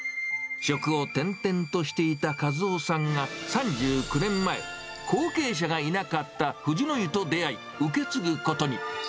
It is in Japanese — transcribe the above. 職を転々としていた和男さんが３９年前、後継者がいなかった藤乃湯と出会い、受け継ぐことに。